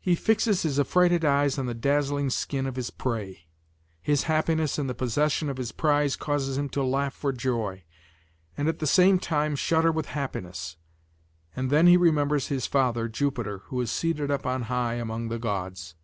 He fixes his affrighted eyes on the dazzling skin of his prey. His happiness in the possession of his prize causes him to laugh for joy, and at the same time shudder with happiness, and then he remembers his father, Jupiter, who is seated up on high among the gods."